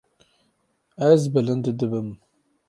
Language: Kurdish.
Ez bilind dibim.